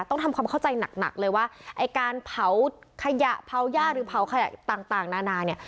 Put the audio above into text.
ต้องทำความเข้าใจหนักเลยว่าไอ้การเผาขยะเผาย่าหรือเผาขยะต่างนานาเนี่ย